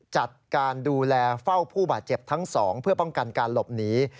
จัดการดูแลเฝ้าผู้บาดเจ็บทั้งสองเพื่อป้องกันการหลบหนี